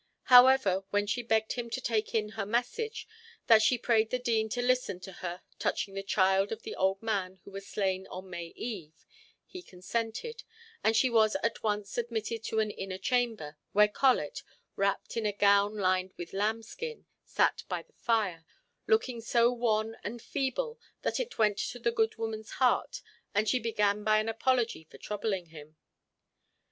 However, when she begged him to take in her message, that she prayed the Dean to listen to her touching the child of the old man who was slain on May Eve, he consented; and she was at once admitted to an inner chamber, where Colet, wrapped in a gown lined with lambskin, sat by the fire, looking so wan and feeble that it went to the good woman's heart and she began by an apology for troubling him.